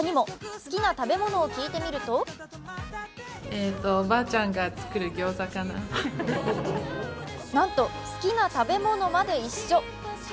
好きな食べ物を聞いてみるとなんと好きな食べ物まで一緒。